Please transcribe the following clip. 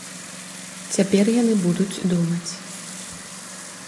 Цяпер яны будуць думаць.